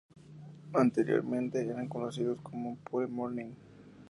Anteriormente eran conocidos como Pure Morning.